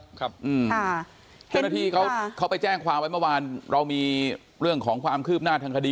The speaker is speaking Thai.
เจ้าหน้าที่เขาไปแจ้งความไว้เมื่อวานเรามีเรื่องของความคืบหน้าทางคดี